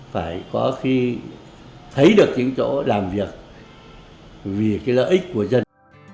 phải có khi thấy được những chỗ làm việc vì cái lợi ích của dân